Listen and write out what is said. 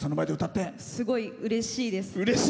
すごい、うれしいです。